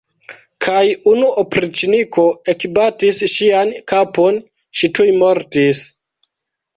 Kaj unu opriĉniko ekbatis ŝian kapon, ŝi tuj mortis!